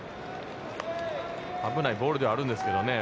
危ないボールではあるんですけれどもね。